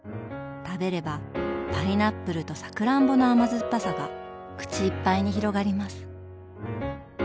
食べればパイナップルとさくらんぼの甘酸っぱさが口いっぱいに広がります。